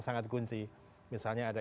sangat kunci misalnya ada